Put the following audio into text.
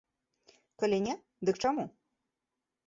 Калі не, дык чаму?